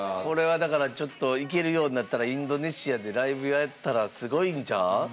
これはだからちょっと行けるようになったらインドネシアでライブやったらすごいんちゃう？